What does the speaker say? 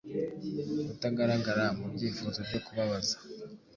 Utagaragara mubyifuzo byo kubabaza